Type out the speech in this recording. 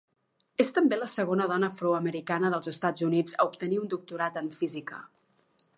És també la segona dona afroamericana dels Estats Units a obtenir un doctorat en física.